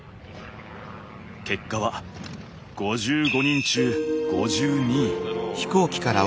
結果は５５人中５２位。